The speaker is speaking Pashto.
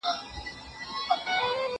زه هره ورځ سبزیجات تياروم